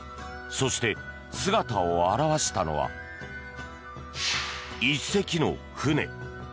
そして、姿を現したのは１隻の船。